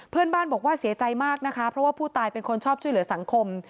เพื่อนบ้านบอกว่าเสียใจมากนะคะเพราะว่าผู้ตายเป็นคนชอบช่วยเหลือสังคม